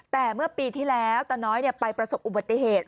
แต่เมื่อปีที่แล้วตาน้อยไปประสบอุบัติเหตุ